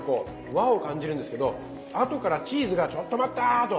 和を感じるんですけど後からチーズがちょっと待った！と。